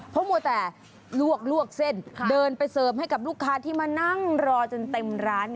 เพราะมัวแต่ลวกเส้นเดินไปเสริมให้กับลูกค้าที่มานั่งรอจนเต็มร้าน